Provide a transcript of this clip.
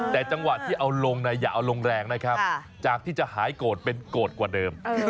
แต่จังหวะที่เอาลงอย่าเอาลงแรงนะครับจากที่จะหายโกรธเป็นโกรธกว่าเดิม